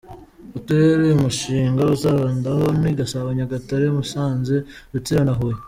Uturere uyu mushinga uzibandaho ni Gasabo, Nyagatare, Musanze, Rutsiro na Huye.